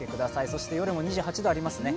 そして夜も２８度ありますね。